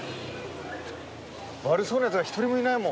悪そうなやつが１人もいないもん。